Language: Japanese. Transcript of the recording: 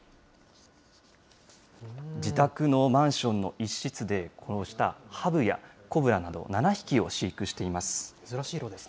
自宅のマンションの一室で、こうしたハブやコブラなど、７匹を飼育しています。